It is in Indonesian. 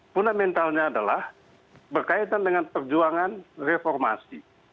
fundamentalnya adalah berkaitan dengan perjuangan reformasi